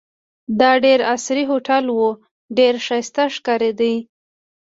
دا ډېر عصري هوټل وو، ډېر ښایسته ښکارېده.